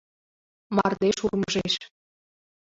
Мардеж урмыжеш...